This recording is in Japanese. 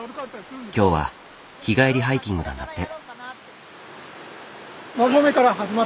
今日は日帰りハイキングなんだって。